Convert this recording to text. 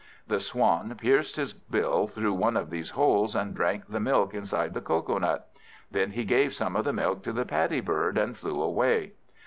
The Swan pierced his bill through one of these holes, and drank the milk inside the cocoa nut. Then he gave some of the milk to the Paddy bird, and flew away.